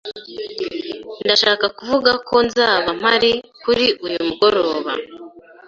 Ndashaka kuvuga ko nzaba mpari kuri uyu mugoroba.